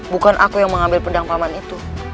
bukan aku yang mengambil pedang paman itu